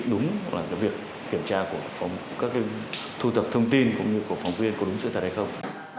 chỉ đúng là việc kiểm tra của các thư thập thông tin cũng như của phóng viên có đúng sự thật hay không